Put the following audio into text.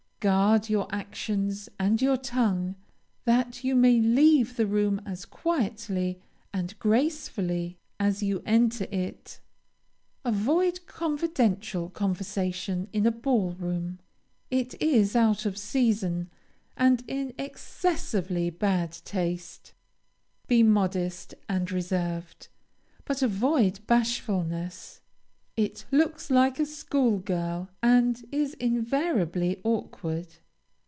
Guard your actions and your tongue, that you may leave the room as quietly and gracefully as you enter it. Avoid confidential conversation in a ball room. It is out of season, and in excessively bad taste. Be modest and reserved, but avoid bashfulness. It looks like a school girl, and is invariably awkward.